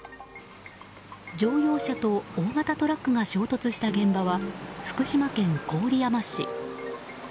乗用車と大型トラックが衝突した現場は福島県郡山市。